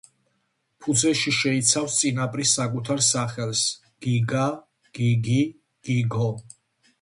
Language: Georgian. ფუძეში შეიცავს წინაპრის საკუთარ სახელს „გიგა“, „გიგი“, „გიგო“.